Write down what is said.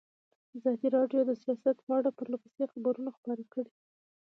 ازادي راډیو د سیاست په اړه پرله پسې خبرونه خپاره کړي.